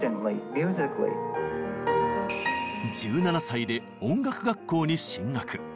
１７歳で音楽学校に進学。